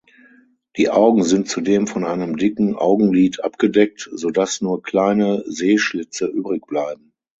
Die Augen sind zudem von einem dicken Augenlid abgedeckt, sodass nur kleine Sehschlitze übrigbleiben.